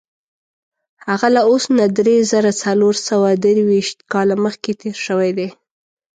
هغه له اوس نه دری زره څلور سوه درویشت کاله مخکې تېر شوی دی.